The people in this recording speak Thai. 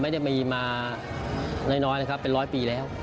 ไม่ได้มีมาน้อยนะครับเป็นร้อยปีแล้ว